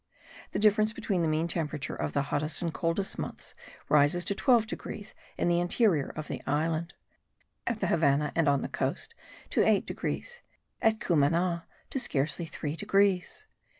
The difference between the mean temperature of the hottest and coldest months rises to 12 degrees in the interior of the island; at the Havannah and on the coast, to 8 degrees; at Cumana, to scarcely 3 degrees.